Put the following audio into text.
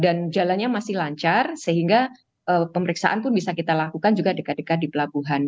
dan jalannya masih lancar sehingga pemeriksaan pun bisa kita lakukan juga dekat dekat di pelabuhan